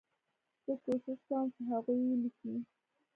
زه کوښښ کوم چې هغوی ولیکي.